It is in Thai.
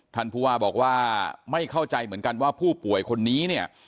ท่านผู้ว่าบอกว่าไม่เข้าใจเหมือนกันว่าผู้ป่วยคนนี้เนี่ย